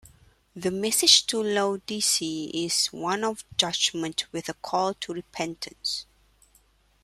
The message to Laodicea is one of judgement with a call to repentance.